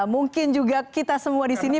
mungkin juga kita semua disini